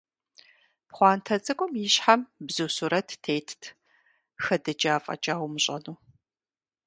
Пхъуантэ цӀыкӀум и щхьэм бзу сурэт тетт, хэдыкӀа фӀэкӀа умыщӀэну.